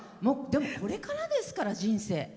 でもこれからですから人生。